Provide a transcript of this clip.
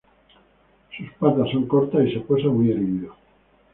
Sus patas son cortas y se posa muy erguido.